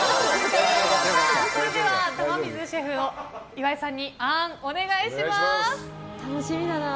それでは玉水シェフ岩井さんにあーん、お願いします。